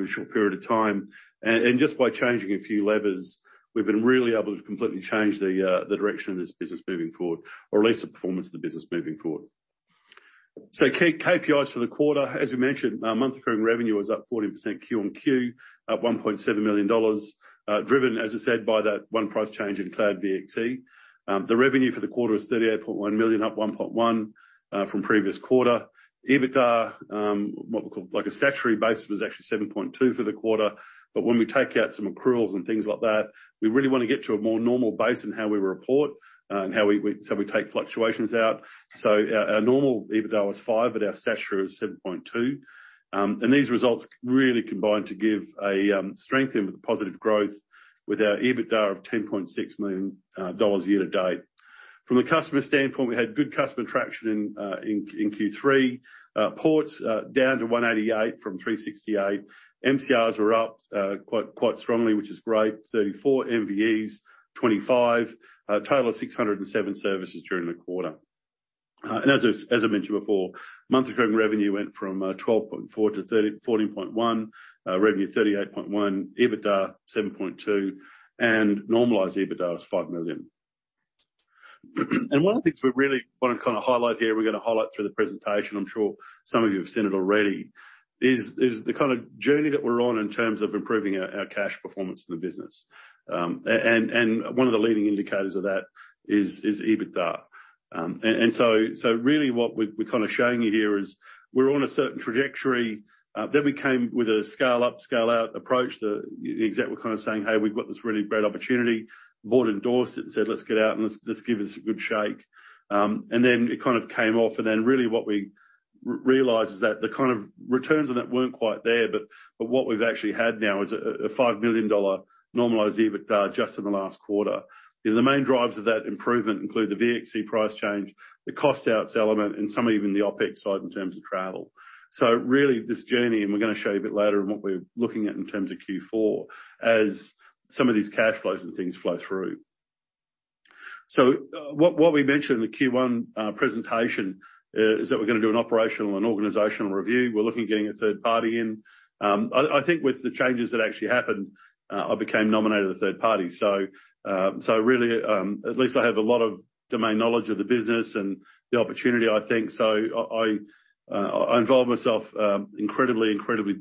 Very short period of time. Just by changing a few levers, we've been really able to completely change the direction of this business moving forward, or at least the performance of the business moving forward. Key KPIs for the quarter, as we mentioned, Monthly Recurring Revenue was up 40% QOQ, up AUD 1.7 million, driven, as I said, by that one price change in Cloud VXC. The revenue for the quarter was {38.1 million}, up 1.1 from previous quarter. EBITDA, what we call, like, a statutory base, was actually 7.2 for the quarter. When we take out some accruals and things like that, we really wanna get to a more normal base in how we report, and how we so we take fluctuations out. Our normal EBITDA was 5 million, but our statutory was 7.2 million. And these results really combine to give a strength and positive growth with our EBITDA of 10.6 million dollars year to date. From the customer standpoint, we had good customer traction in Q3. Ports down to 188 from 368. MCRs were up quite strongly, which is great. 34 MVEs, 25. A total of 607 services during the quarter. And as I mentioned before, Monthly Recurring Revenue went from 12.4 million-14.1 million. Revenue 38.1 million, EBITDA 7.2 million, and normalized EBITDA is 5 million. One of the things we really wanna kinda highlight here, we're gonna highlight through the presentation, I'm sure some of you have seen it already, is the kinda journey that we're on in terms of improving our cash performance in the business. One of the leading indicators of that is EBITDA. Really what we're kinda showing you here is we're on a certain trajectory, then we came with a scale-up, scale-out approach. The exec were kinda saying, "Hey, we've got this really great opportunity." Board endorsed it and said, "Let's give this a good shake." Then it kind of came off, and then really what we realized is that the kind of returns on it weren't quite there, but what we've actually had now is a $5 million normalized EBITDA just in the last quarter. You know, the main drivers of that improvement include the VXC price change, the cost outs element, and some even the OPEX side in terms of travel. Really, this journey, and we're gonna show you a bit later in what we're looking at in terms of Q4, as some of these cash flows and things flow through. What we mentioned in the Q1 presentation is that we're gonna do an operational and organizational review. We're looking at getting a third party in. I think with the changes that actually happened, I became nominated a third party. Really, at least I have a lot of domain knowledge of the business and the opportunity, I think. I involved myself incredibly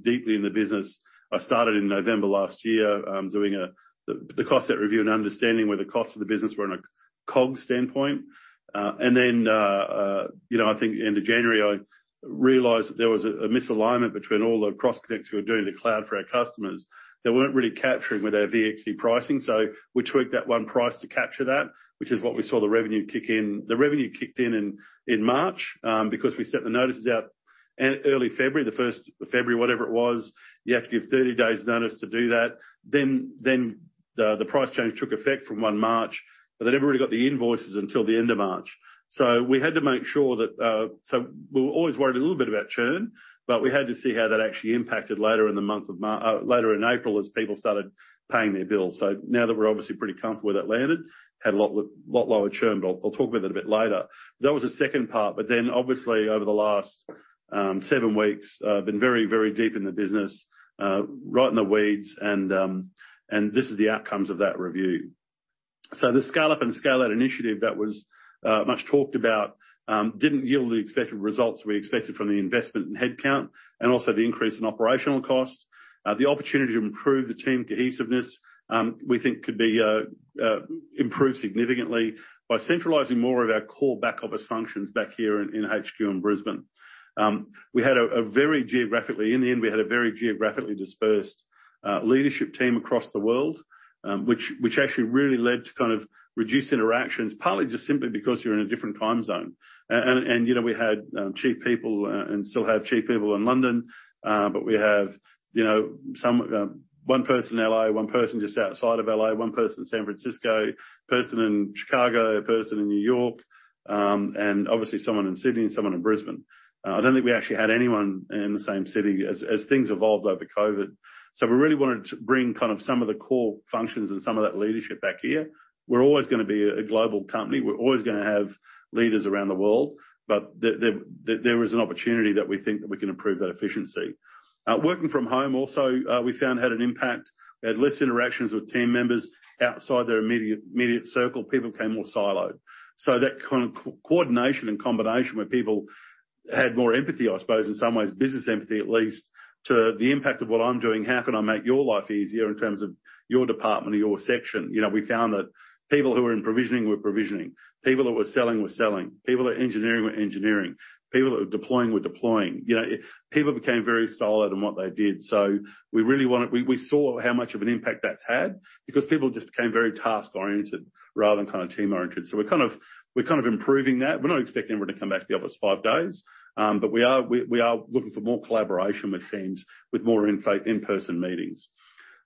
deeply in the business. I started in November last year doing the cost set review and understanding where the costs of the business were in a COGS standpoint. You know, I think end of January, I realized that there was a misalignment between all the cross-connects we were doing in the cloud for our customers that weren't really capturing with our VXC pricing. We tweaked that one price to capture that, which is what we saw the revenue kick in. The revenue kicked in in March, because we sent the notices out early February, the 1st of February, whatever it was. You have to give 30 days notice to do that. The price change took effect from 1 March, but they never really got the invoices until the end of March. We had to make sure that... We were always worried a little bit about churn, but we had to see how that actually impacted later in April as people started paying their bills. Now that we're obviously pretty comfortable where that landed. Had a lot lower churn, but I'll talk about that a bit later. That was the second part. Obviously, over the last seven weeks, been very, very deep in the business, right in the weeds, and this is the outcomes of that review. The scale-up and scale-out initiative that was much talked about, didn't yield the expected results we expected from the investment in headcount, and also the increase in operational costs. The opportunity to improve the team cohesiveness, we think could be improved significantly by centralizing more of our core back office functions back here in HQ in Brisbane. In the end, we had a very geographically dispersed leadership team across the world, which actually really led to kind of reduced interactions, partly just simply because you're in a different time zone. You know, we had chief people and still have chief people in London, but we have, you know, some one person in L.A., one person just outside of L.A., one person in San Francisco, person in Chicago, a person in New York, and obviously someone in Sydney and someone in Brisbane. I don't think we actually had anyone in the same city as things evolved over COVID. We really wanted to bring kind of some of the core functions and some of that leadership back here. We're always gonna be a global company. We're always gonna have leaders around the world, there was an opportunity that we think that we can improve that efficiency. Working from home also, we found had an impact. We had less interactions with team members outside their immediate circle. People became more siloed. That kind of coordination and combination where people had more empathy, I suppose, in some ways, business empathy at least, to the impact of what I'm doing, how can I make your life easier in terms of your department or your section? You know, we found that people who were in provisioning were provisioning, people that were selling were selling, people at engineering were engineering, people that were deploying were deploying. You know, people became very siloed in what they did. We really wanted. We saw how much of an impact that's had because people just became very task-oriented rather than kind of team-oriented. We're kind of improving that. We're not expecting everyone to come back to the office five days, but we are looking for more collaboration with teams, with more in-person meetings.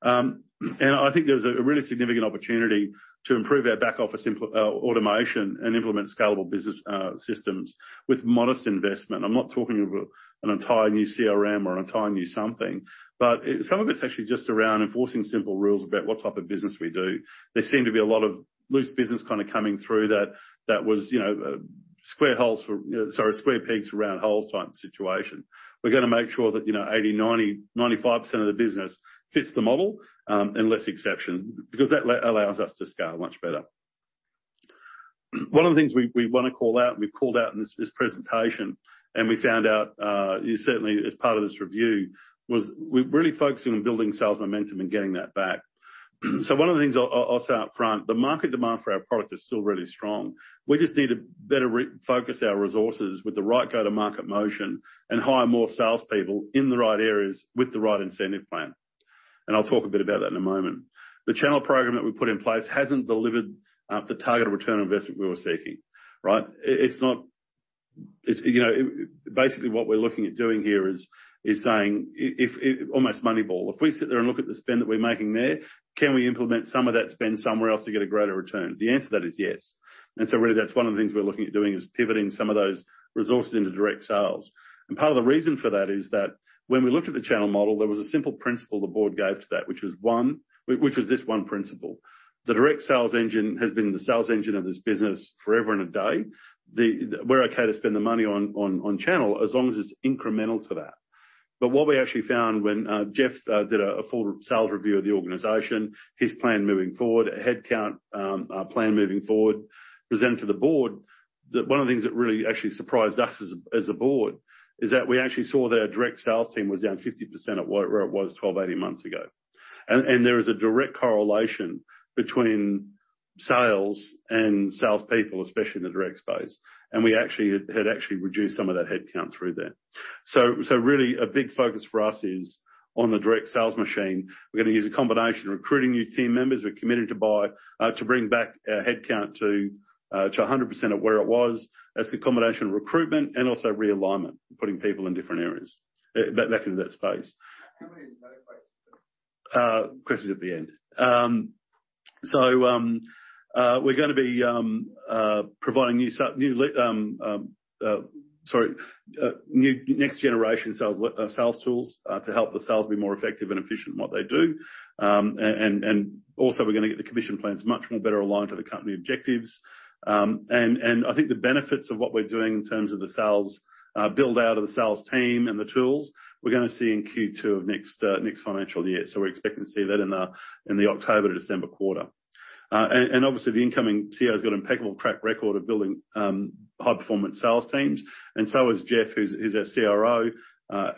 I think there's a really significant opportunity to improve our back-office automation and implement scalable business systems with modest investment. I'm not talking of an entire new CRM or entire new something. Some of it's actually just around enforcing simple rules about what type of business we do. There seem to be a lot of loose business kind of coming through that was, you know, square pegs for round holes type of situation. We're gonna make sure that, you know, 80, 90, 95% of the business fits the model, and less exception because that allows us to scale much better. One of the things we wanna call out, and we've called out in this presentation, and we found out, certainly as part of this review, was we're really focusing on building sales momentum and getting that back. One of the things I'll say up front, the market demand for our product is still really strong. We just need to better focus our resources with the right go-to-market motion and hire more salespeople in the right areas with the right incentive plan. I'll talk a bit about that in a moment. The channel program that we put in place hasn't delivered the targeted return on investment we were seeking, right? Basically, what we're looking at doing here is saying if... Almost Moneyball. If we sit there and look at the spend that we're making there, can we implement some of that spend somewhere else to get a greater return? The answer to that is yes. Really that's one of the things we're looking at doing, is pivoting some of those resources into direct sales. Part of the reason for that is that when we looked at the channel model, there was a simple principle the board gave to that, which was one which was this one principle. The direct sales engine has been the sales engine of this business forever and a day. We're okay to spend the money on channel as long as it's incremental to that. What we actually found when Jeff did a full sales review of the organization, his plan moving forward, a headcount plan moving forward, presented to the board, one of the things that really actually surprised us as a board is that we actually saw that our direct sales team was down 50% of where it was 12, 18 months ago. There is a direct correlation between sales and salespeople, especially in the direct space. We actually had actually reduced some of that headcount through there. Really a big focus for us is on the direct sales machine. We're gonna use a combination of recruiting new team members. We're committed to buy to bring back headcount to 100% of where it was. That's the combination of recruitment and also realignment, putting people in different areas back into that space. Questions at the end. We're gonna be providing next-generation sales tools to help the sales be more effective and efficient in what they do. Also we're gonna get the commission plans much better aligned to the company objectives. I think the benefits of what we're doing in terms of the sales build out of the sales team and the tools, we're gonna see in Q2 of next financial year. We're expecting to see that in the October to December quarter. Obviously, the incoming CEO's got an impeccable track record of building high-performance sales teams, and so has Jeff, who's our CRO.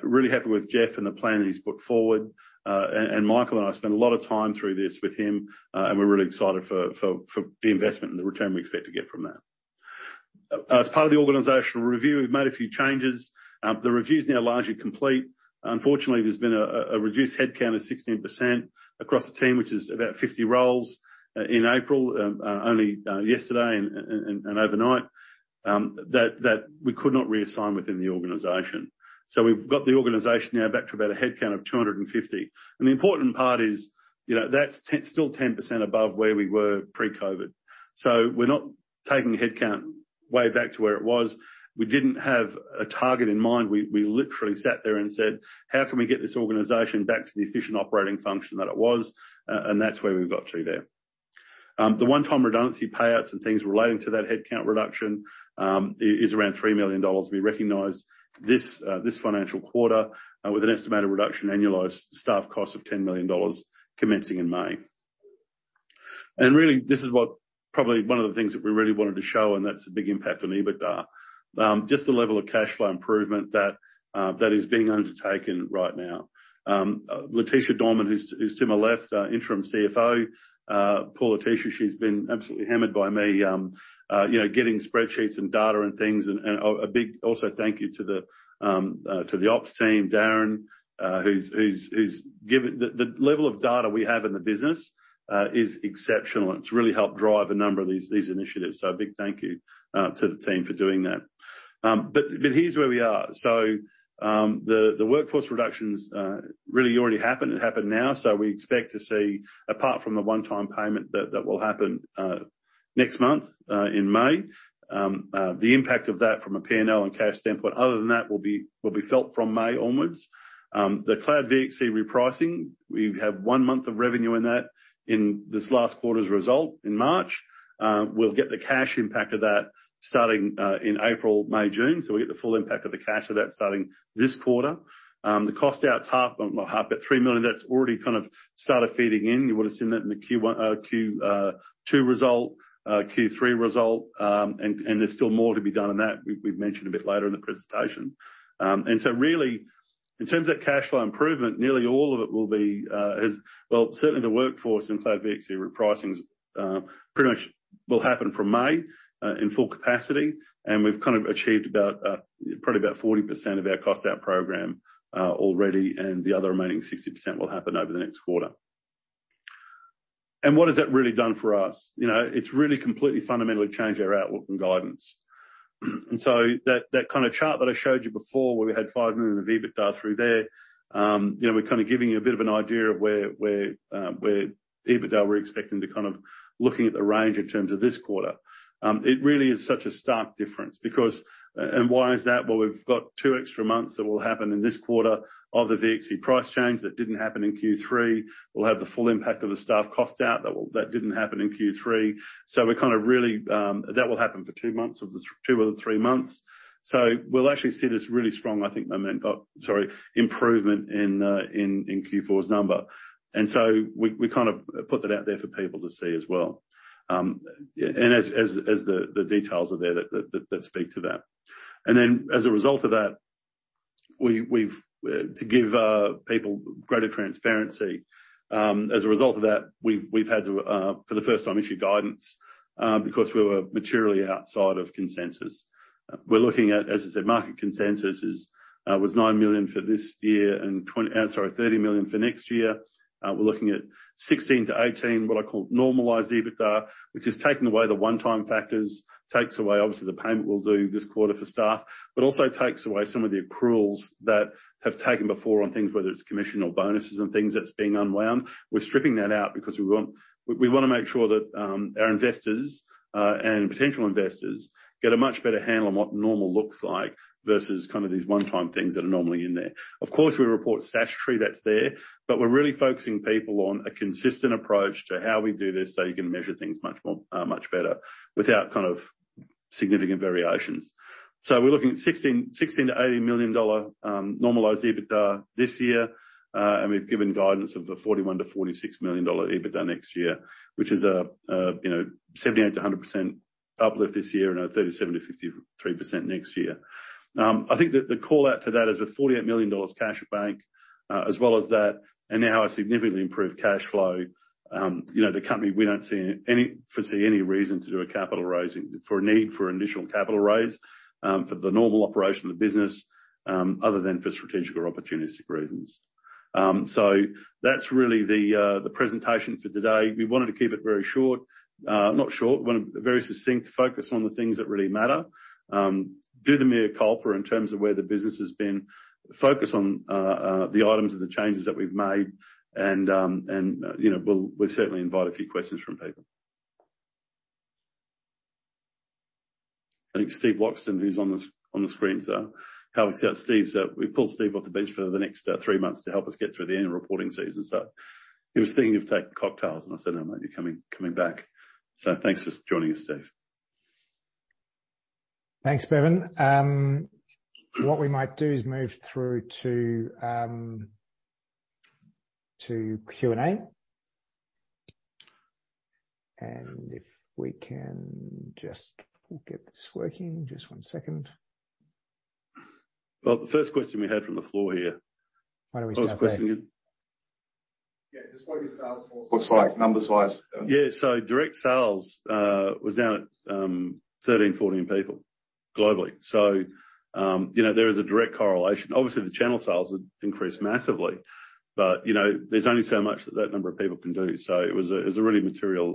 Really happy with Jeff and the plan that he's put forward. Michael and I spent a lot of time through this with him, and we're really excited for the investment and the return we expect to get from that. As part of the organizational review, we've made a few changes. The review's now largely complete. Unfortunately, there's been a reduced headcount of 16% across the team, which is about 50 roles, in April, only yesterday and overnight, that we could not reassign within the organization. We've got the organization now back to about a headcount of 250. The important part is, you know, that's still 10% above where we were pre-COVID. We're not taking the headcount way back to where it was. We didn't have a target in mind. We literally sat there and said, "How can we get this organization back to the efficient operating function that it was?" That's where we got to there. The one-time redundancy payouts and things relating to that headcount reduction is around 3 million dollars. We recognize this financial quarter with an estimated reduction in annualized staff costs of 10 million dollars commencing in May. Really, this is what probably one of the things that we really wanted to show, and that's a big impact on me, but just the level of cash flow improvement that is being undertaken right now. Leticia Dorman, who's to my left, Interim CFO, poor Leticia, she's been absolutely hammered by me, you know, getting spreadsheets and data and things and a big also thank you to the ops team, Darren, who's given... The level of data we have in the business is exceptional, and it's really helped drive a number of these initiatives. A big thank you to the team for doing that. Here's where we are. The workforce reductions really already happened. It happened now. We expect to see, apart from the one-time payment that will happen next month in May, the impact of that from a P&L and cash standpoint, other than that, will be felt from May onwards. The Cloud VXC repricing, we have one month of revenue in that in this last quarter's result in March. We'll get the cash impact of that starting in April, May, June. We get the full impact of the cash of that starting this quarter. The cost out's not half, but 3 million, that's already kind of started feeding in. You would've seen that in the Q1, Q2 result, Q3 result. And there's still more to be done on that. We've mentioned a bit later in the presentation. Really, in terms of cash flow improvement, nearly all of it will be. Well, certainly the workforce and Cloud VXC repricings pretty much will happen from May in full capacity, and we've kind of achieved about probably about 40% of our cost out program already, and the other remaining 60% will happen over the next quarter. What has that really done for us? You know, it's really completely fundamentally changed our outlook and guidance. That, that kind of chart that I showed you before where we had 5 million of EBITDA through there, you know, we're kind of giving you a bit of an idea of where EBITDA we're expecting to kind of looking at the range in terms of this quarter. It really is such a stark difference because, and why is that? We've got two extra months that will happen in this quarter of the VXC price change that didn't happen in Q3. We'll have the full impact of the staff cost out that didn't happen in Q3. We're kind of really. That will happen for two months of the two of the three months. We'll actually see this really strong, I think, sorry, improvement in Q4's number. We kind of put that out there for people to see as well. As the details are there that speak to that. As a result of that, to give people greater transparency, as a result of that, we've had to for the first time issue guidance because we were materially outside of consensus. We're looking at, as I said, market consensus is, was $9 million for this year and sorry, $30 million for next year. We're looking at $16 million-$18 million, what I call normalized EBITDA, which is taking away the one-time factors. Takes away, obviously, the payment we'll do this quarter for staff, but also takes away some of the accruals that have taken before on things, whether it's commission or bonuses and things that's being unwound. We're stripping that out because we wanna make sure that our investors and potential investors get a much better handle on what normal looks like versus kind of these one-time things that are normally in there. Of course, we report statutory that's there, but we're really focusing people on a consistent approach to how we do this, so you can measure things much more much better without kind of significant variations. We're looking at 16 million-18 million dollar normalized EBITDA this year. We've given guidance of a 41 million-46 million dollar EBITDA next year, which is you know, 78%-100% uplift this year and a 37%-53% next year. I think the call out to that is with 48 million dollars cash at bank, as well as that, and now a significantly improved cash flow, you know, the company, we don't foresee any reason to do a capital raising for a need for additional capital raise, for the normal operation of the business, other than for strategic or opportunistic reasons. That's really the presentation for today. We wanted to keep it very short. Not short, want it very succinct, focused on the things that really matter. Do the mea culpa in terms of where the business has been. Focus on the items and the changes that we've made, and, you know, we'll certainly invite a few questions from people. I think Steve Loxton, who's on the screen, so help us out. Steve's, we pulled Steve off the bench for the next three months to help us get through the annual reporting season. He was thinking of taking cocktails, and I said, "No, mate, you're coming back." Thanks for joining us, Steve. Thanks, Bevan. What we might do is move through to Q&A. If we can just get this working. Just one second. The first question we had from the floor here. Why don't we start back-. I was questioning-. Yeah. Just what your sales force looks like number-wise? Yeah. Direct sales was down at 13, 14 people globally. You know, there is a direct correlation. Obviously, the channel sales had increased massively, but, you know, there's only so much that that number of people can do. It was a really material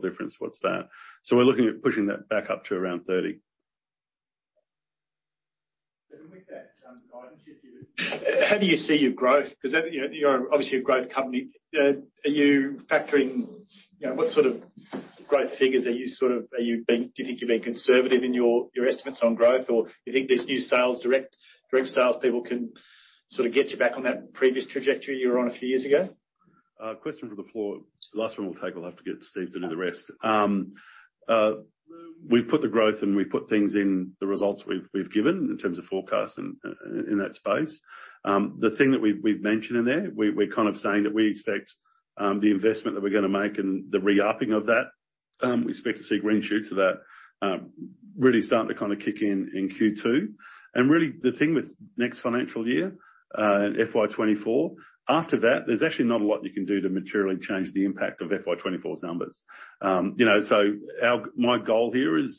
difference with that. We're looking at pushing that back up to around 30. With that guidance you've given, how do you see your growth? 'Cause you know, you're obviously a growth company. Are you factoring, you know, what sort of growth figures are you sort of... Do you think you're being conservative in your estimates on growth, or you think these new sales, direct sales people can sort of get you back on that previous trajectory you were on a few years ago? Question from the floor. Last one we'll take. We'll have to get Steve to do the rest. We've put the growth and we've put things in the results we've given in terms of forecasts in that space. The thing that we've mentioned in there, we're kind of saying that we expect the investment that we're gonna make and the re-upping of that, we expect to see green shoots of that, really starting to kinda kick in in Q2. Really the thing with next financial year, and FY24, after that, there's actually not a lot you can do to materially change the impact of FY24's numbers. You know, my goal here is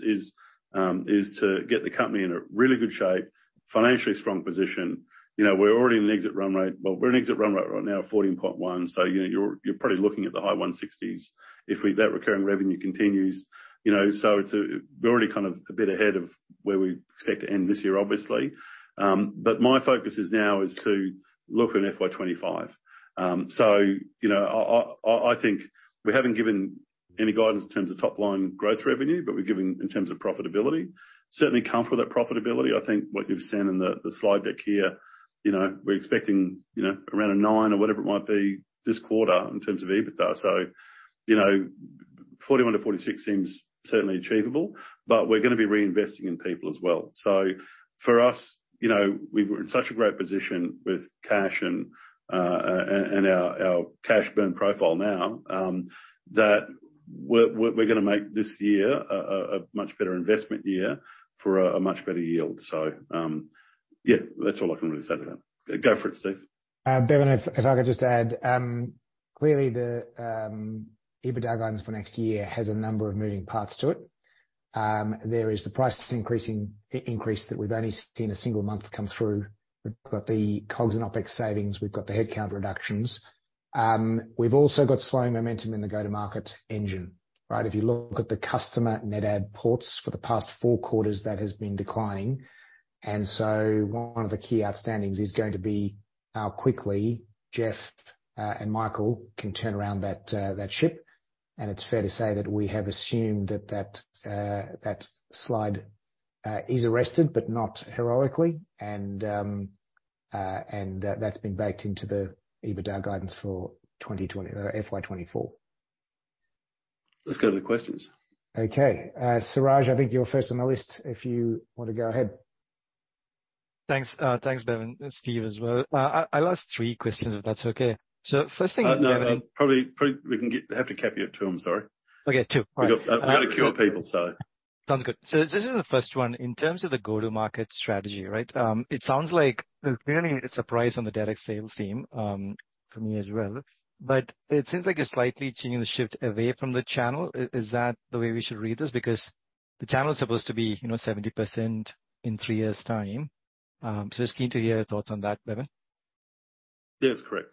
to get the company in a really good shape, financially strong position. You know, we're already in an exit run rate. Well, we're in exit run rate right now, 14.1 million. You know, you're probably looking at the high AUD 160s if that recurring revenue continues. You know, it's we're already kind of a bit ahead of where we expect to end this year, obviously. My focus is now is to look at an FY25. You know, I think we haven't given any guidance in terms of top-line growth revenue, but we've given in terms of profitability. Certainly comfortable with that profitability. I think what you've seen in the slide deck here, you know, we're expecting, you know, around 9 million or whatever it might be this quarter in terms of EBITDA. You know, 41-46 seems certainly achievable, but we're gonna be reinvesting in people as well. For us, you know, we're in such a great position with cash and our cash burn profile now, that we're gonna make this year a much better investment year for a much better yield. Yeah, that's all I can really say to that. Go for it, Steve. Bevan, if I could just add, clearly the EBITDA guidance for next year has a number of moving parts to it. There is the prices increasing, increase that we've only seen a single month come through. We've got the COGS and OPEX savings, we've got the headcount reductions. We've also got slowing momentum in the go-to-market engine, right? If you look at the customer net add ports for the past four quarters, that has been declining. One of the key outstandings is going to be how quickly Jeff and Michael can turn around that ship. It's fair to say that we have assumed that slide is arrested but not heroically. That's been baked into the EBITDA guidance for FY24. Let's go to the questions. Okay. Suraj, I think you're first on the list, if you want to go ahead. Thanks. Thanks, Bevan. Steve as well. I'll ask three questions, if that's okay. No, no. Probably, have to cap you at 2, I'm sorry. Okay, two. All right. I've got to cure people, so. Sounds good. This is the first one. In terms of the go-to-market strategy, right? It sounds like there's been a surprise on the direct sales team for me as well. It seems like you're slightly changing the shift away from the channel. Is that the way we should read this? The channel is supposed to be, you know, 70% in three years' time. Just keen to hear your thoughts on that, Bevan? Yes, correct.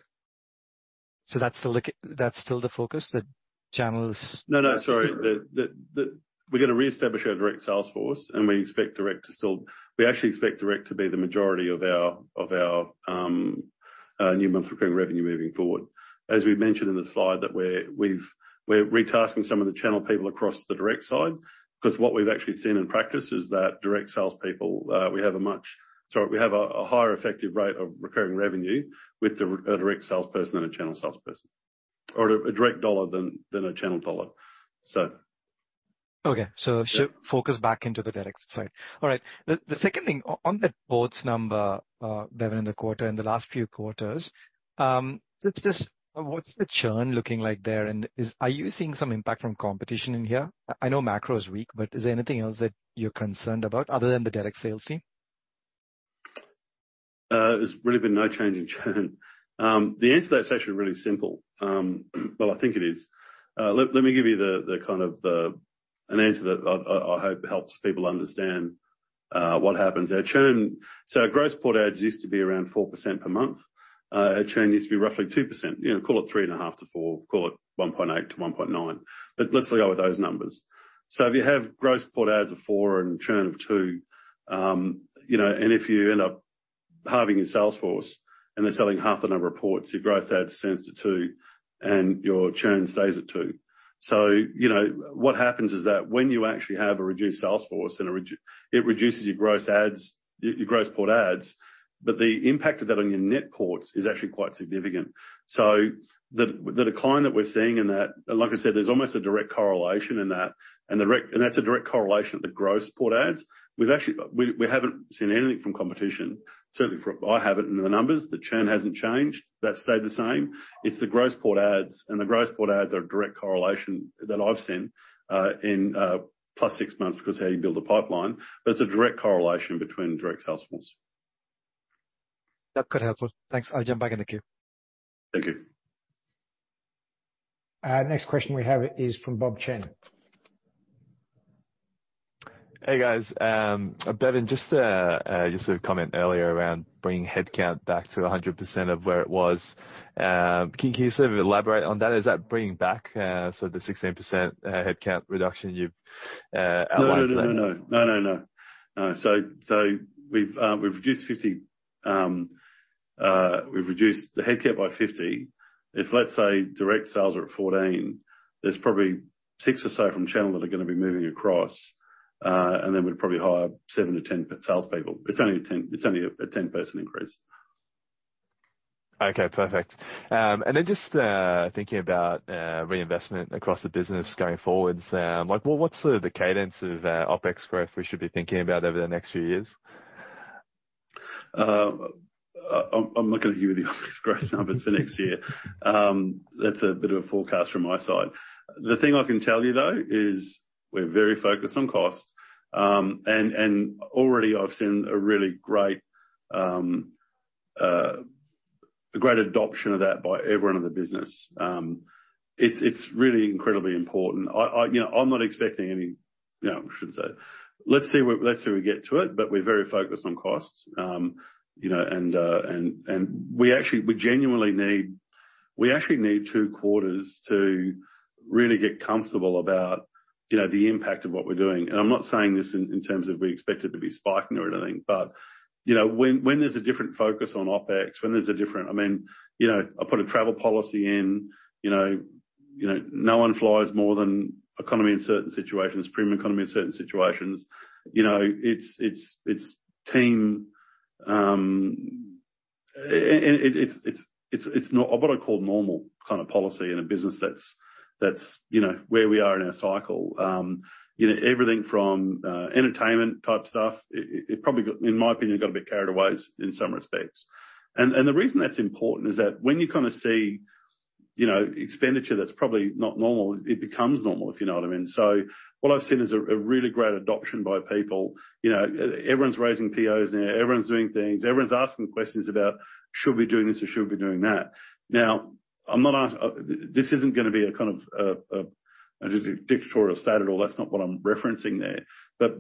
That's still the focus, the channels? No, no, sorry. We're gonna reestablish our direct sales force, and we actually expect direct to be the majority of our new Monthly Recurring Revenue moving forward. As we've mentioned in the slide that we're retasking some of the channel people across to the direct side. 'Cause what we've actually seen in practice is that direct salespeople, Sorry, we have a higher effective rate of recurring revenue with a direct salesperson than a channel salesperson. A direct dollar than a channel dollar. Okay. Focus back into the direct side. All right. The second thing. On the ports number, Bevan, in the quarter, in the last few quarters, just, what's the churn looking like there, and are you seeing some impact from competition in here? I know macro is weak, but is there anything else that you're concerned about other than the direct sales team? There's really been no change in churn. The answer to that's actually really simple. Well, I think it is. Let me give you the kind of answer that I hope helps people understand what happens. Our gross port adds used to be around 4% per month. Our churn used to be roughly 2%. You know, call it 3.5-4, call it 1.8-1.9. Let's go with those numbers. If you have gross port adds of four and churn of two, you know, and if you end up halving your sales force, and they're selling half the number of ports, your gross adds turns to two and your churn stays at two. You know, what happens is that when you actually have a reduced sales force and it reduces your gross adds, your gross port adds, but the impact of that on your net ports is actually quite significant. The, the decline that we're seeing in that, like I said, there's almost a direct correlation in that. That's a direct correlation to gross port adds. We've actually, we haven't seen anything from competition. Certainly I haven't in the numbers. The churn hasn't changed. That stayed the same. It's the gross port adds, and the gross port adds are a direct correlation that I've seen in plus six months because of how you build a pipeline. It's a direct correlation between direct sales force. That could help us. Thanks. I'll jump back in the queue. Thank you. Next question we have is from Bob Chen. Hey, guys. Bevan, just a comment earlier around bringing headcount back to 100% of where it was. Can you sort of elaborate on that? Is that bringing back, so the 16% headcount reduction you've outlined there? No, no, no. No, no. No. We've reduced 50, we've reduced the headcount by 50. If, let's say, direct sales are at 14, there's probably six or so from channel that are gonna be moving across, then we'd probably hire seven-10 salespeople. It's only a 10% increase. Okay, perfect. Just thinking about reinvestment across the business going forwards, like what's the cadence of OPEX growth we should be thinking about over the next few years? I'm not gonna give you the OPEX growth numbers for next year. That's a bit of a forecast from my side. The thing I can tell you, though, is we're very focused on costs. Already I've seen a really great adoption of that by everyone in the business. It's really incredibly important. I, you know, I'm not expecting. You know, I shouldn't say. Let's see where, let's see where we get to it, but we're very focused on costs. You know, and we genuinely need two quarters to really get comfortable about, you know, the impact of what we're doing. I'm not saying this in terms of we expect it to be spiking or anything. You know, when there's a different focus on OPEX, when there's a different. I mean, you know, I put a travel policy in. You know, no one flies more than economy in certain situations, premium economy in certain situations. You know, it's team. It's not what I call normal kind of policy in a business that's, you know, where we are in our cycle. You know, everything from entertainment type stuff, it probably got, in my opinion, got a bit carried away in some respects. The reason that's important is that when you kinda see, you know, expenditure that's probably not normal, it becomes normal, if you know what I mean. What I've seen is a really great adoption by people. You know, everyone's raising POs now, everyone's doing things, everyone's asking questions about, "Should we be doing this, or should we be doing that?" This isn't gonna be a kind of a dictatorial state at all. That's not what I'm referencing there.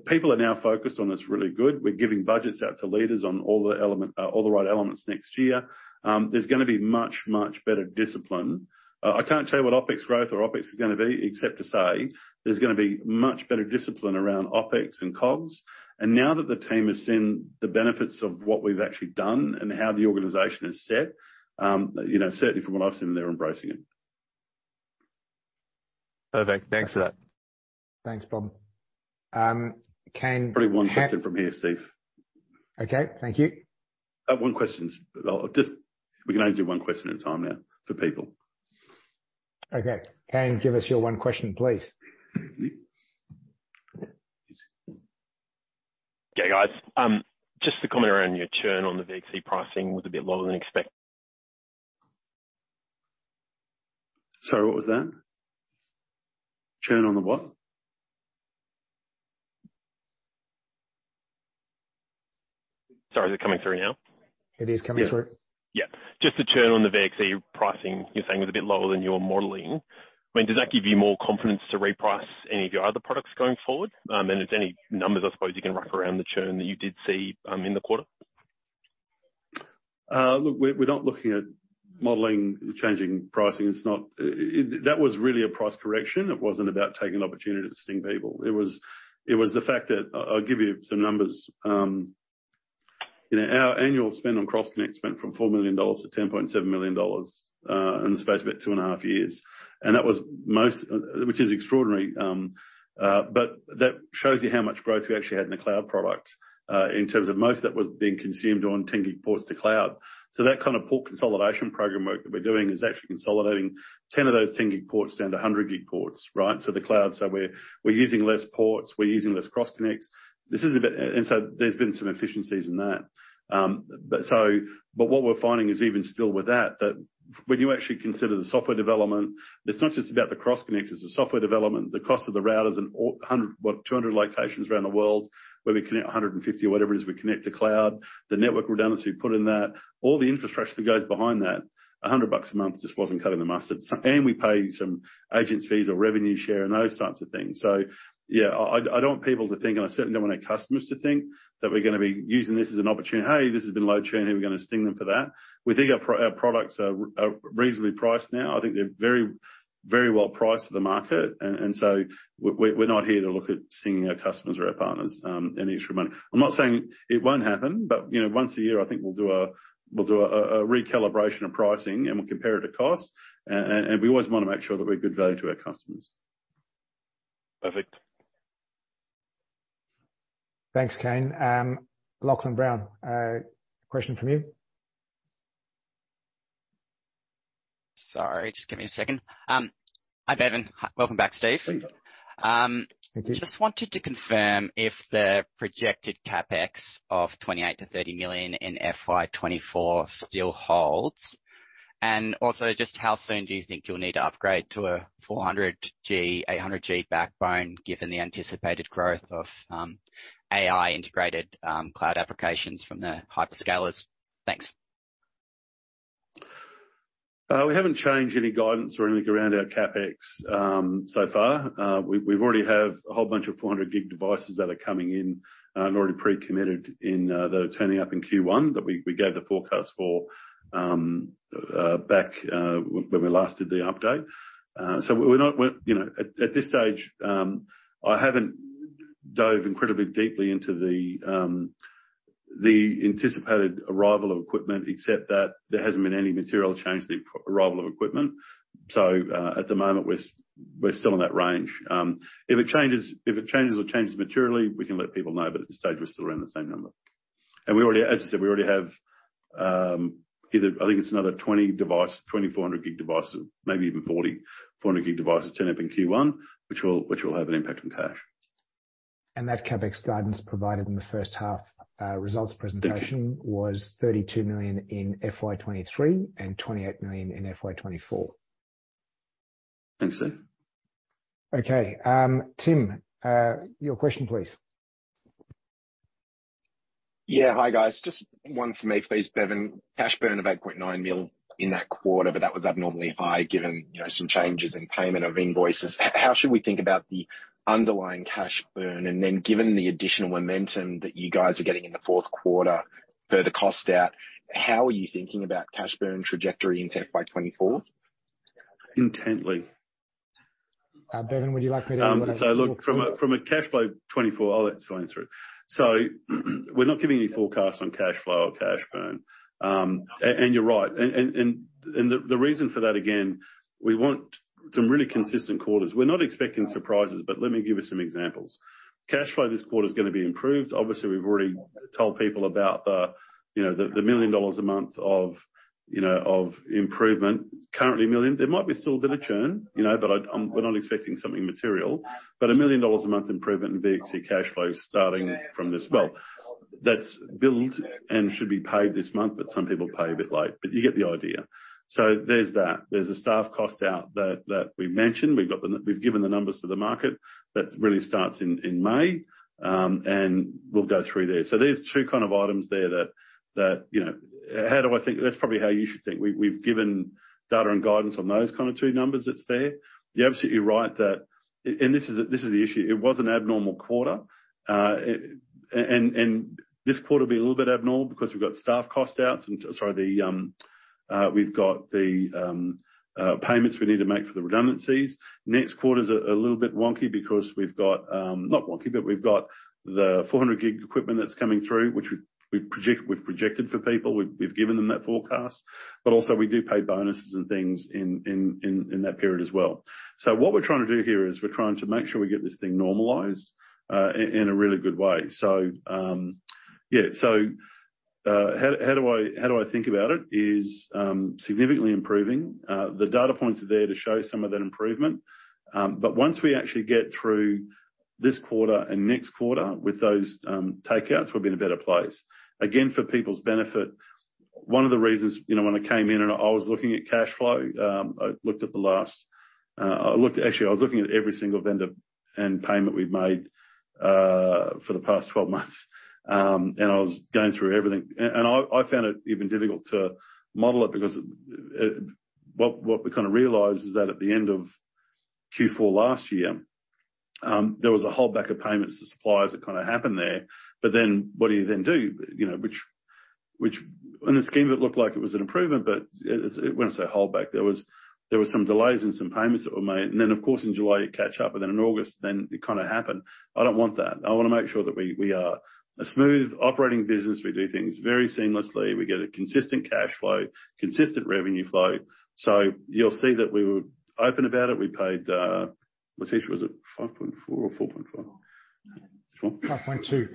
People are now focused on this really good. We're giving budgets out to leaders on all the right elements next year. There's gonna be much, much better discipline. I can't tell you what OpEx growth or OpEx is gonna be, except to say there's gonna be much better discipline around OpEx and COGS. Now that the team has seen the benefits of what we've actually done and how the organization is set, you know, certainly from what I've seen, they're embracing it. Perfect. Thanks for that. Thanks, Bob. Only one question from here, Steve. Okay. Thank you. One question. Just we can only do one question at a time now for people. Okay. Kane, give us your one question, please. Mm-hmm. Yeah, guys. Just a comment around your churn on the VXC pricing was a bit lower than. Sorry, what was that? Churn on the what? Sorry, is it coming through now? It is coming through. Yeah. Just the churn on the VXC pricing, you're saying is a bit lower than your modeling. I mean, does that give you more confidence to reprice any of your other products going forward? If there's any numbers, I suppose you can wrap around the churn that you did see in the quarter? Look, we're not looking at modeling, changing pricing. It's not... That was really a price correction. It wasn't about taking an opportunity to sting people. It was the fact that... I'll give you some numbers. You know, our annual spend on cross-connect spent from 4 million-10.7 million dollars in the space of about two and a half years. That was most, which is extraordinary. That shows you how much growth we actually had in the cloud product in terms of most of that was being consumed on 10G ports to cloud. That kind of port consolidation program work that we're doing is actually consolidating 10 of those 10G ports down to 100G ports, right? To the cloud. We're using less ports, we're using less cross-connects. There's been some efficiencies in that. What we're finding is even still with that when you actually consider the software development, it's not just about the cross-connect, it's the software development, the cost of the routers in all 100, what, 200 locations around the world where we connect 150 or whatever it is, we connect to cloud, the network redundancy we put in that, all the infrastructure that goes behind that, 100 bucks a month just wasn't cutting the mustard. We pay some agents fees or revenue share and those types of things. Yeah, I don't want people to think, and I certainly don't want our customers to think that we're gonna be using this as an opportunity. Hey, this has been low churn, we're gonna sting them for that. We think our products are reasonably priced now. I think they're very well priced to the market. We're not here to look at stinging our customers or our partners any extra money. I'm not saying it won't happen, but, you know, once a year, I think we'll do a recalibration of pricing and we'll compare it to cost. We always wanna make sure that we're good value to our customers. Perfect. Thanks, Kane. Lachlan Brown, a question from you. Sorry, just give me a second. Hi, Bevan. Welcome back, Steve. Thank you. just wanted to confirm if the projected CapEx of $28 million-$30 million in FY24 still holds. Also, just how soon do you think you'll need to upgrade to a 400G, 800G backbone given the anticipated growth of, AI integrated, cloud applications from the hyperscalers? Thanks. We haven't changed any guidance or anything around our CapEx so far. We've already have a whole bunch of 400G devices that are coming in and already pre-committed in, that are turning up in Q1 that we gave the forecast for, back when we last did the update. We're, you know, at this stage, I haven't dove incredibly deeply into the anticipated arrival of equipment, except that there hasn't been any material change to the arrival of equipment. At the moment, we're still in that range. If it changes, if it changes or changes materially, we can let people know, but at this stage, we're still around the same number. As I said, we already have, either, I think it's another 20 device, 24 100G devices, maybe even 40 100G devices turning up in Q1, which will have an impact on cash. That CapEx guidance provided in the first half, results presentation. Thank you. Was $32 million in FY23 and $28 million in FY24. Thanks, Steve. Okay. Tim, your question, please. Yeah. Hi, guys. Just one for me, please, Bevan. Cash burn of 8.9 million in that quarter, but that was abnormally high given, you know, some changes in payment of invoices. How should we think about the underlying cash burn? Given the additional momentum that you guys are getting in the fourth quarter, further cost out, how are you thinking about cash burn trajectory into FY24? Intently. Bevan, would you like me. From a cash flow FY24, I'll let Tim through. We're not giving any forecast on cash flow or cash burn. You're right. And the reason for that, again, we want some really consistent quarters. We're not expecting surprises, but let me give you some examples. Cash flow this quarter is gonna be improved. Obviously, we've already told people about the, you know, the 1 million dollars a month of, you know, of improvement. Currently 1 million. There might be still a bit of churn, you know, we're not expecting something material. 1 million dollars a month improvement in VXC cash flows starting from this. That's billed and should be paid this month, but some people pay a bit late. You get the idea. There's that. There's a staff cost out that we mentioned. We've given the numbers to the market. That really starts in May. We'll go through there. There's two kind of items there that, you know, how do I think. That's probably how you should think. We've given data and guidance on those kind of two numbers that's there. You're absolutely right that. This is the issue. It was an abnormal quarter, and this quarter will be a little bit abnormal because we've got staff cost outs. The payments we need to make for the redundancies. Next quarter is a little bit wonky because we've got not wonky, but we've got the 400G equipment that's coming through which we've projected for people. We've given them that forecast. Also we do pay bonuses and things in that period as well. What we're trying to do here is we're trying to make sure we get this thing normalized in a really good way. Yeah. How do I think about it, is significantly improving. The data points are there to show some of that improvement. Once we actually get through this quarter and next quarter with those takeouts, we'll be in a better place. Again, for people's benefit, one of the reasons, you know, when I came in and I was looking at cash flow, I looked at the last. Actually, I was looking at every single vendor and payment we've made for the past 12 months. I was going through everything. I found it even difficult to model it because what we kind of realized is that at the end of Q4 last year, there was a holdback of payments to suppliers that kind of happened there. What do you then do? You know, which on the scheme it looked like it was an improvement, but it when I say holdback, there was some delays in some payments that were made. Of course, in July it catch up, in August then it kinda happened. I don't want that. I wanna make sure that we are a smooth operating business. We do things very seamlessly. We get a consistent cash flow, consistent revenue flow. You'll see that we were open about it. We paid, Leticia, was it 5.4 or 4.4? Four. What? 5.2.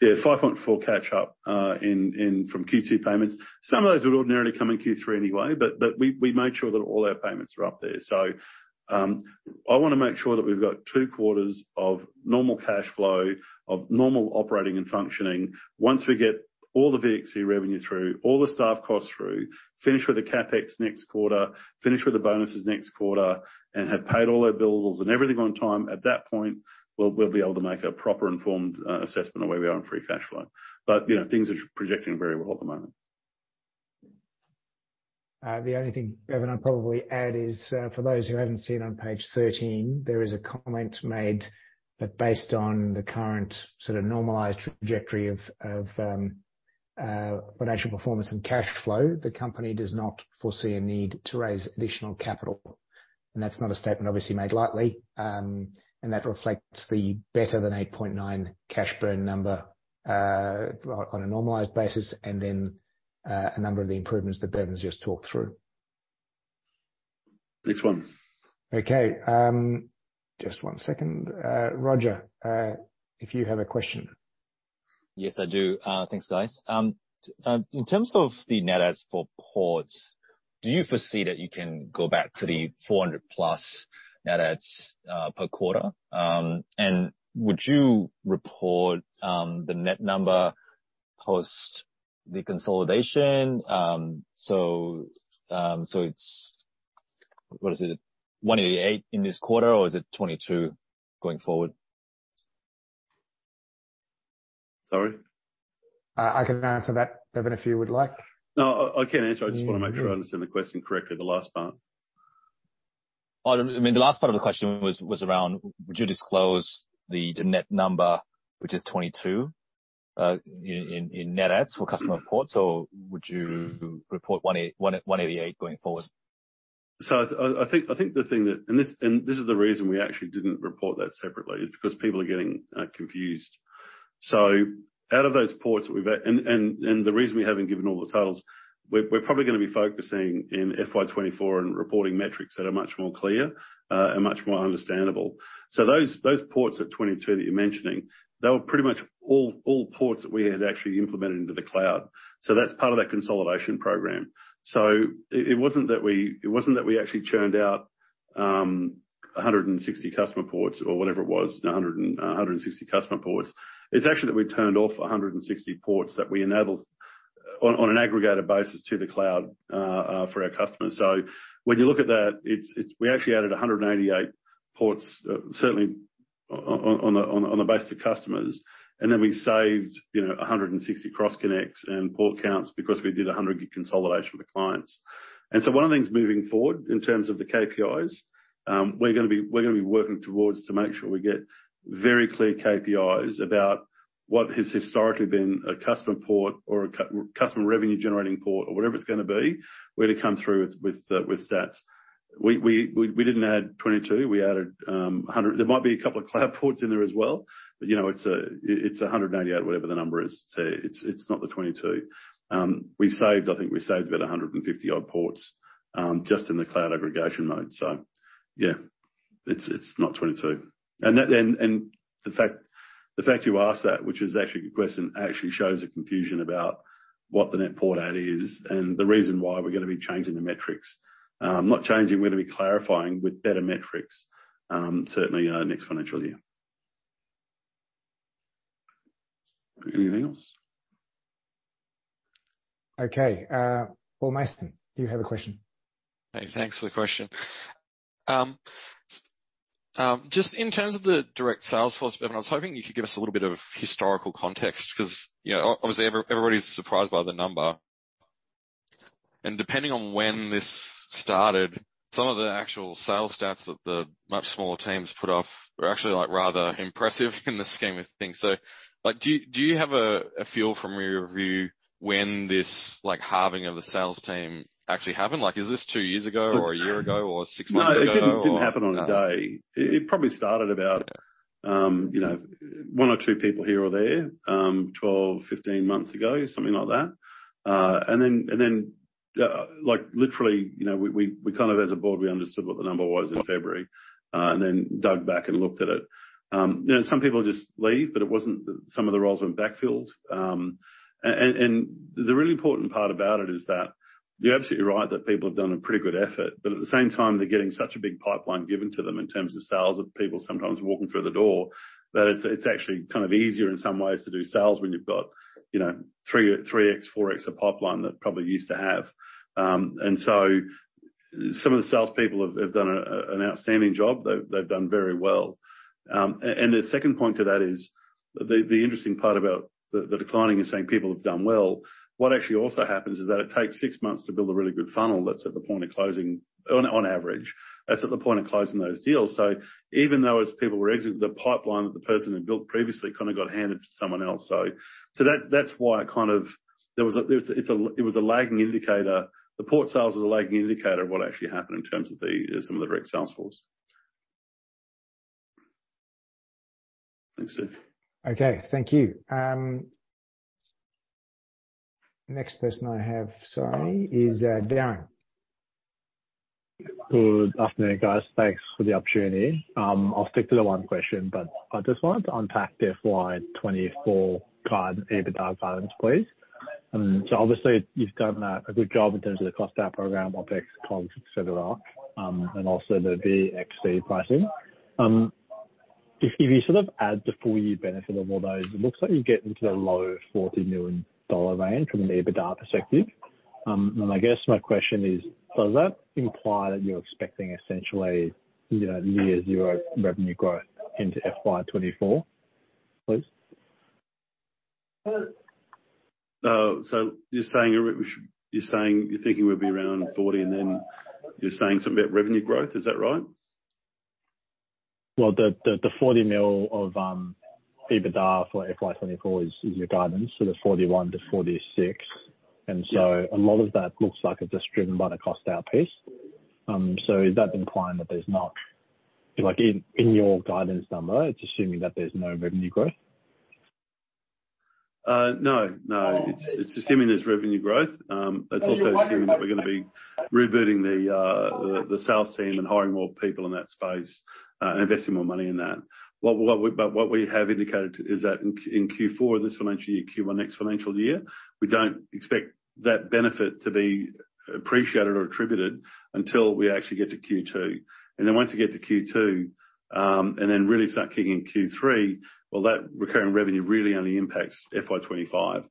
Yeah, 5.4 catch up in from Q2 payments. Some of those would ordinarily come in Q3 anyway, we made sure that all our payments are up there. I wanna make sure that we've got two quarters of normal cash flow, of normal operating and functioning. Once we get all the VXC revenue through, all the staff costs through, finish with the CapEx next quarter, finish with the bonuses next quarter, and have paid all their bills and everything on time, at that point, we'll be able to make a proper informed assessment of where we are in free cash flow. You know, things are projecting very well at the moment. The only thing, Bevan, I'd probably add is, for those who haven't seen on page 13, there is a comment made that based on the current sort of normalized trajectory of financial performance and cash flow, the company does not foresee a need to raise additional capital. That's not a statement obviously made lightly, and that reflects the better than 8.9 cash burn number, on a normalized basis, and then, a number of the improvements that Bevan's just talked through. Next one. Okay. Just one second. Roger, if you have a question. Yes, I do. Thanks, guys. In terms of the net adds for ports, do you foresee that you can go back to the 400+ net adds per quarter? Would you report the net number post the consolidation? What is it? 188 in this quarter, or is it 22 going forward? Sorry? I can answer that, Bevan, if you would like. No. I can answer. I just wanna make sure I understand the question correctly, the last part. I mean the last part of the question was around would you disclose the net number, which is 22 in net adds for customer ports, or would you report 188 going forward? I think the thing that... This is the reason we actually didn't report that separately is because people are getting confused. Out of those ports that we've... The reason we haven't given all the totals, we're probably gonna be focusing in FY 2024 and reporting metrics that are much more clear and much more understandable. Those ports at 22 that you're mentioning, they were pretty much all ports that we had actually implemented into the cloud. That's part of that Consolidation Program. It wasn't that we actually churned out 160 customer ports or whatever it was, 160 customer ports. It's actually that we turned off 160 ports that we enabled on an aggregated basis to the cloud for our customers. When you look at that, it's we actually added 188 ports certainly on the base of the customers. We saved, you know, 160 cross-connects and port counts because we did 100 gig consolidation for clients. One of the things moving forward in terms of the KPIs, we're gonna be working towards to make sure we get very clear KPIs about what has historically been a customer port or a customer revenue generating port or whatever it's gonna be. We're to come through with stats. We didn't add 22. We added 100. There might be a couple of cloud ports in there as well. You know, it's 188, whatever the number is. It's not the 22. I think we saved about 150 odd ports just in the cloud aggregation mode. Yeah, it's not 22. The fact you asked that, which is actually a good question, actually shows a confusion about what the net port add is and the reason why we're gonna be changing the metrics. Not changing, we're gonna be clarifying with better metrics certainly next financial year. Anything else? Okay. Paul Mason, do you have a question? Hey, thanks for the question. Just in terms of the direct sales force, Bevan, I was hoping you could give us a little bit of historical context because, you know, obviously everybody's surprised by the number. And depending on when this started, some of the actual sales stats that the much smaller teams put off were actually, like, rather impressive in the scheme of things. So, like, do you have a feel from your review when this, like, halving of the sales team actually happened? Like, is this two years ago or one year ago or six months ago or? No, it didn't happen on a day. It probably started. Yeah... you know, one or two people here or there, 12, 15 months ago, something like that. Then, like, literally, you know, we kind of as a board, we understood what the number was in February, and then dug back and looked at it. You know, some people just leave, but it wasn't that some of the roles weren't backfilled. And the really important part about it is that you're absolutely right that people have done a pretty good effort, but at the same time, they're getting such a big pipeline given to them in terms of sales of people sometimes walking through the door that it's actually kind of easier in some ways to do sales when you've got, you know, 3x, 4x of pipeline that probably used to have. Some of the salespeople have done an outstanding job. They've done very well. The second point to that is the interesting part about the declining is saying people have done well. What actually also happens is that it takes six months to build a really good funnel that's at the point of closing on average. That's at the point of closing those deals. Even though as people were exiting the pipeline that the person had built previously kind of got handed to someone else. That's why I kind of... it was a lagging indicator. The port sales was a lagging indicator of what actually happened in terms of some of the direct sales force. Thanks, Steve. Okay, thank you. Next person I have, sorry, is Darren. Good afternoon, guys. Thanks for the opportunity. I'll stick to the one question. I just wanted to unpack the FY24 guide EBITDA guidance, please. Obviously you've done a good job in terms of the cost out program, OpEx, COGS, et cetera, also the VXC pricing. If you sort of add the full year benefit of all those, it looks like you get into the low 40 million dollar range from an EBITDA perspective. I guess my question is, does that imply that you're expecting essentially, you know, year zero revenue growth into FY24, please? You're saying you're thinking we'll be around 40, then you're saying something about revenue growth. Is that right? Well, the $40 million of EBITDA for FY24 is your guidance, so the $41 million-$46 million. Yeah. A lot of that looks like it's just driven by the cost out piece. Is that implying that there's not, like in your guidance number, it's assuming that there's no revenue growth? No. No. Oh, okay. It's assuming there's revenue growth. It's also assuming that we're gonna be rebooting the sales team and hiring more people in that space and investing more money in that. What we have indicated is that in Q4 of this financial year, Q1 next financial year, we don't expect that benefit to be appreciated or attributed until we actually get to Q2. Once you get to Q2, and then really start kicking in Q3, well, that recurring revenue really only impacts FY25.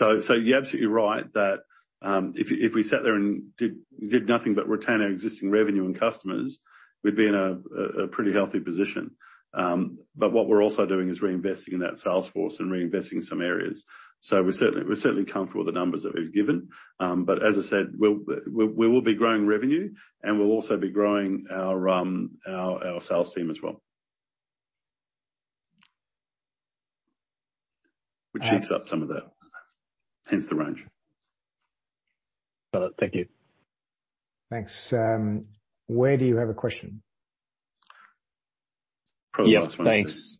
You're absolutely right that if we sat there and did nothing but retain our existing revenue and customers, we'd be in a pretty healthy position. What we're also doing is reinvesting in that sales force and reinvesting in some areas. We're certainly comfortable with the numbers that we've given. As I said, we will be growing revenue, and we'll also be growing our sales team as well. All right. Which cheeks up some of that, hence the range. Got it. Thank you. Thanks. Wade, do you have a question? Probably the last one, Steve. Yeah. Thanks.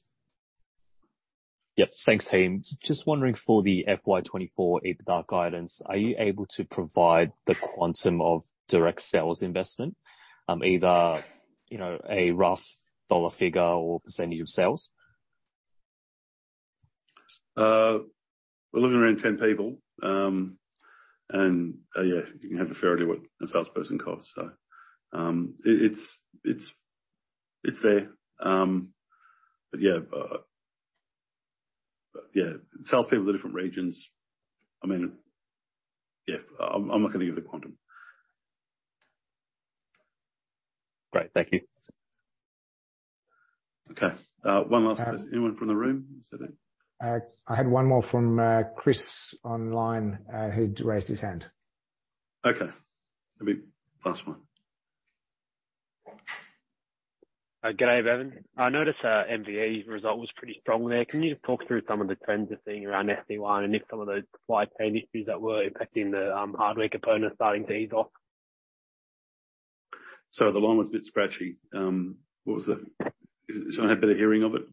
Yeah, thanks, team. Just wondering for the FY24 EBITDA guidance, are you able to provide the quantum of direct sales investment, either, you know, a rough dollar figure or percentage of sales? We're looking around 10 people, and, yeah, you can have a fair idea what a salesperson costs. It's, it's there. Yeah, yeah, salespeople in the different regions. I mean, yeah. I'm not gonna give a quantum. Great. Thank you. One last person. Anyone from the room? Is that it? I had one more from Chris online, who'd raised his hand. Okay. That'll be last one. Good day, Bevan. I noticed MVE's result was pretty strong there. Can you just talk through some of the trends you're seeing around SD-WAN and if some of those supply chain issues that were impacting the hardware component starting to ease off? Sorry, the line was a bit scratchy. What was that? Does someone have better hearing of it?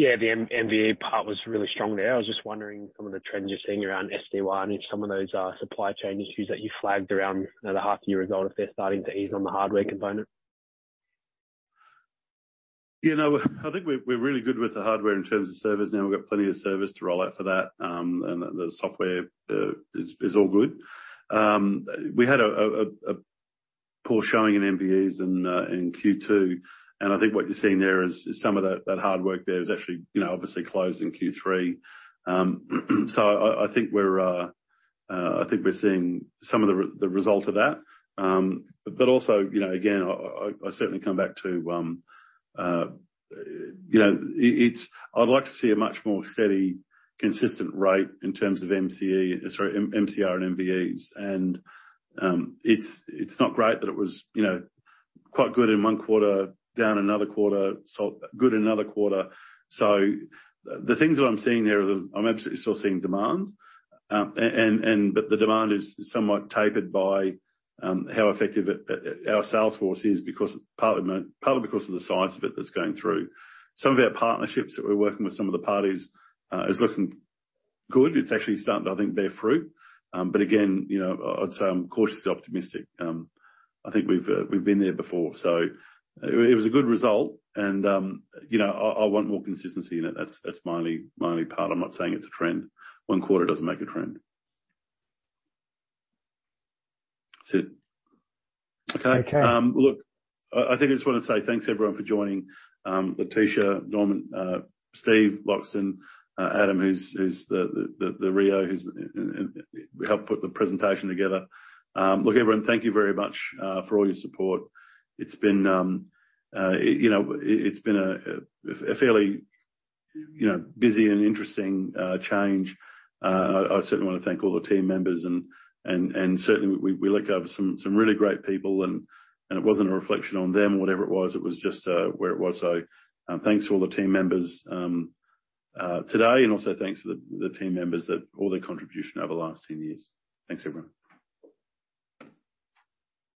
Yeah, the MVE part was really strong there. I was just wondering some of the trends you're seeing around SD-WAN and if some of those supply chain issues that you flagged around, you know, the half year result, if they're starting to ease on the hardware component? You know, I think we're really good with the hardware in terms of servers now. We've got plenty of servers to roll out for that, the software is all good. We had a poor showing in MVEs in Q2. I think what you're seeing there is some of that hard work there is actually, you know, obviously closed in Q3. I think we're seeing some of the result of that. Also, you know, again, I certainly come back to, you know, I'd like to see a much more steady, consistent rate in terms of MCR and MVEs. It's, it's not great that it was, you know, quite good in one quarter, down another quarter, so good another quarter. The things that I'm seeing there, I'm absolutely still seeing demand. And, but the demand is somewhat tapered by how effective our sales force is because partly because of the size of it that's going through. Some of our partnerships that we're working with some of the parties, is looking good. It's actually starting to, I think, bear fruit. Again, you know, I'd say I'm cautiously optimistic. I think we've been there before. It was a good result and, you know, I want more consistency in it. That's, that's my only, my only part. I'm not saying it's a trend. One quarter doesn't make a trend. That's it. Okay. Okay. look, I think I just want to say thanks everyone for joining. Leticia, Norman, Steve Loxton, Adam, who's the CRO he helped put the presentation together. look, everyone, thank you very much for all your support. It's been, you know, it's been a fairly, you know, busy and interesting change. I certainly want to thank all the team members, and certainly we let go of some really great people and it wasn't a reflection on them or whatever it was. It was just where it was. thanks to all the team members today, and also thanks to the team members all their contribution over the last 10 years. Thanks, everyone.